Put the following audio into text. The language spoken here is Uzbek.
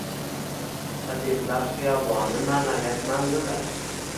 Adiblar xiyoboni - maʼnaviyat manzili